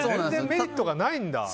メリットがないんだ。